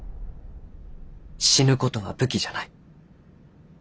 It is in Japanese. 死ぬ事は武器じゃない。